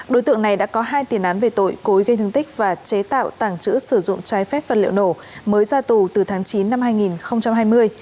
đối tượng này đã có hai tiền án về tội cối gây thương tích và chế tạo tàng trữ sử dụng trái phép vật liệu nổ mới ra tù từ tháng chín năm hai nghìn hai mươi